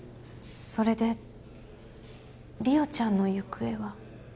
それで莉桜ちゃんの行方は？